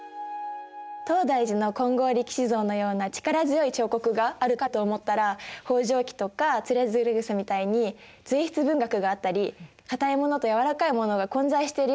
東大寺の金剛力士像のような力強い彫刻があるかと思ったら「方丈記」とか「徒然草」みたいに随筆文学があったり硬いものと軟らかいものが混在しているような印象があった。